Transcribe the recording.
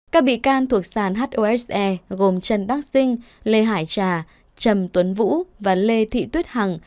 các bị can thuộc sàn hose gồm trần đắc sinh lê hải trà trầm tuấn vũ và lê thị tuyết hằng